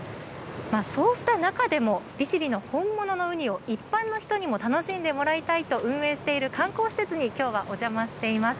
そうした中でも、利尻の本物のウニを一般の人にも楽しんでもらいたいと、運営している観光施設に、きょうはお邪魔しています。